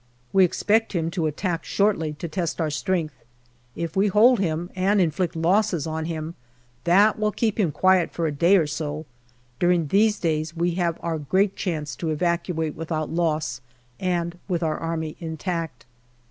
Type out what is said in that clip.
We expect him to attack shortly to test our strength. If we hold him and inflict losses on him, that will keep him quiet for a day or so ; during these days we have our great chance to evacuate without loss, and with our Army intact.